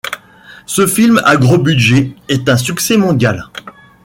Ce film à gros budget est un succès mondial.